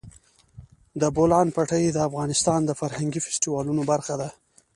د بولان پټي د افغانستان د فرهنګي فستیوالونو برخه ده.